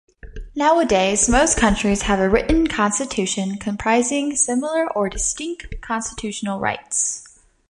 Nowadays, most countries have a written constitution comprising similar or distinct constitutional rights.